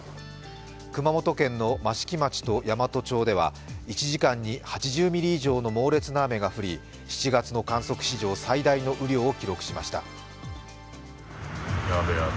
熊本県の益城町と山都町では１時間に８０ミリ以上の猛烈な雨が降り、７月の観測史上最大の雨量を記録しました。